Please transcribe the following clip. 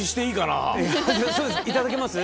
いただけます？